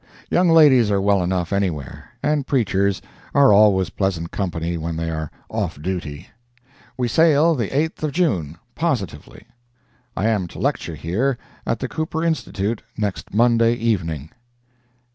Young ladies are well enough anywhere, and preachers are always pleasant company when they are off duty. We sail the 8th of June, positively. I am to lecture here, at the Cooper Institute, next Monday evening.